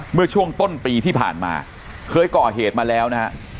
เมื่อช่วงต้นปีที่ผ่านมาเคยก่อเหตุมาแล้วนะฮะ